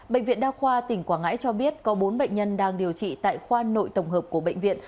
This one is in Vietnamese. bệnh viện đa khoa tỉnh quảng ngãi cho biết có bốn bệnh nhân đang điều trị tại khoa nội tổng hợp của bệnh viện